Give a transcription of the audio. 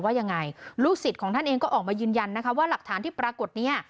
ว่ายังไงลูกศิษย์ของท่านเองก็ออกมายืนยันนะคะว่าหลักฐานที่ปรากฏเนี่ย